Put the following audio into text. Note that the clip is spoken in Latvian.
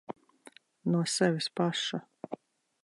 No sevis paša.